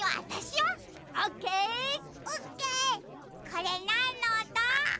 これなんのおと？